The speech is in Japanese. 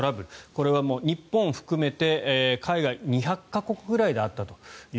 これは日本を含めて海外２００か国ぐらいであったと。